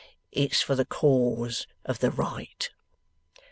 It's for the cause of the right.